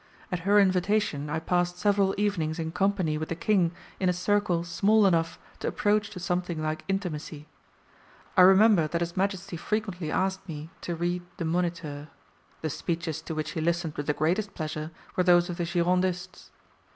At her invitation I passed several evenings in company with the King in a circle small enough to approach to something like intimacy. I remember that his Majesty frequently asked me to read the Moniteur; the speeches to which he listened with the greatest pleasure were those of the Girondists.